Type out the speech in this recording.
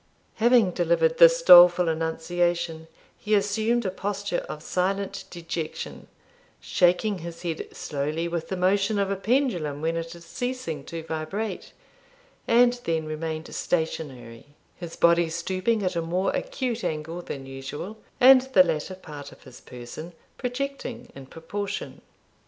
Having delivered this doleful annunciation, he assumed a posture of silent dejection, shaking his head slowly with the motion of a pendulum when it is ceasing to vibrate, and then remained stationary, his body stooping at a more acute angle than usual, and the latter part of his person projecting in proportion.